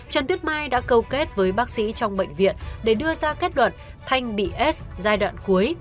trần tuyết mai đã câu kết với bác sĩ trong bệnh viện để đưa ra kết đoạn thanh bị s giai đoạn cuối